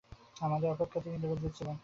আমাদের অপেক্ষা তিনি দরিদ্র ছিলেন।